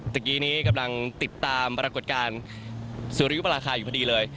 เมื่อกี้นี้กำลังติดตามปรากฏการณ์สุริยุปราคาอยู่พอดีเลย